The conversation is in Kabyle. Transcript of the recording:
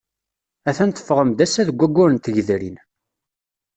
Atan teffɣem-d ass-a deg waggur n tgedrin.